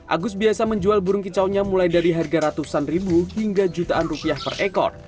agus biasa menjual burung kicaunya mulai dari harga ratusan ribu hingga jutaan rupiah per ekor